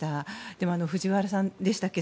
でも、藤原さんでしたっけ。